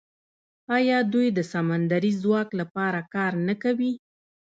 آیا دوی د سمندري ځواک لپاره کار نه کوي؟